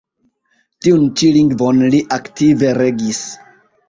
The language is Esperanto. Tiun ĉi lingvon li aktive regis.